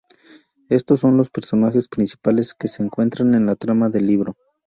Estos son los personajes principales que se encuentran en la trama del libro.